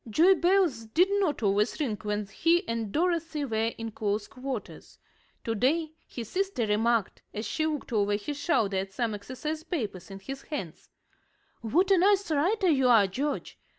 Joy bells did not always ring when he and Dorothy were in close quarters. To day his sister remarked, as she looked over his shoulder at some exercise papers in his hands: "What a nice writer you are, George.